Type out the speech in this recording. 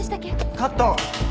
カット！